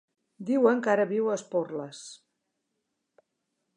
Diuen que ara viu a Esporles.